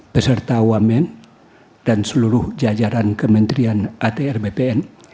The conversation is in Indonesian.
beserta wamen dan seluruh jajaran kementerian atr bpn